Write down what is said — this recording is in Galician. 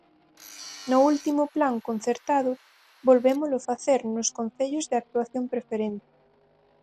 No último plan concertado volvémolo facer nos concellos de actuación preferente.